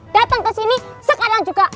datang ke sini sekarang juga